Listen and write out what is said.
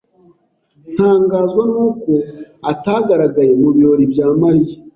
Ntangazwa nuko atagaragaye mubirori bya Mariya.